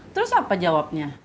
terus apa jawabnya